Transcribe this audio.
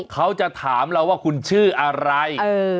เขาจะถามเราว่าคุณชื่ออะไร